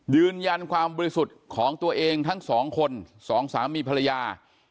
ยืนยันความบริสุทธิ์ของตัวเองทั้งสองคนสองสามีภรรยา